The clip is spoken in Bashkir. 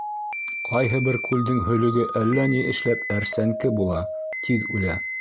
Ҡайһы бер күлдең һөлөгө әллә ни эшләп әрсәнке була, тиҙ үлә.